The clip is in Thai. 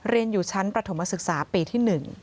เรียนอยู่ชั้นประถมศึกษาปีที่๑